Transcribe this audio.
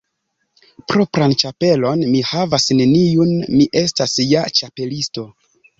Propran ĉapelon mi havas neniun. Mi estas ja Ĉapelisto.